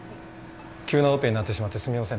急なオペになってしまってすみません